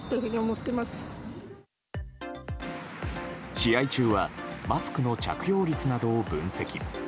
試合中はマスクの着用率などを分析。